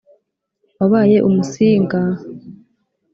wabaye umusinga